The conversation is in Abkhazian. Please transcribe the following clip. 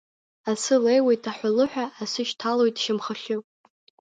Асы леиуеит аҳәылыҳәа, асы шьҭалоит шьамхахьы.